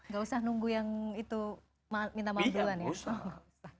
gak usah nunggu yang itu minta maaf duluan ya